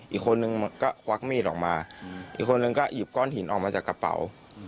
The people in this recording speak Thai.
อีกคนนึงก็ควักมีดออกมาอีกคนนึงก็หยิบก้อนหินออกมาจากกระเป๋า